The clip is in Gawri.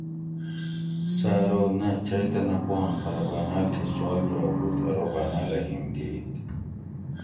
سۤہ ارو نہ چئ تہ نہ پوانت پرہ باۤناۤل تھی سوال جواب ہُت ارو باۤناۤلہ ہیم دِیت